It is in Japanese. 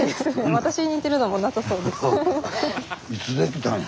私に似てるのもなさそうです。